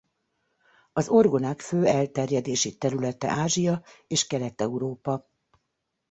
Az orgonák fő elterjedési területe Ázsia és Kelet-Európa.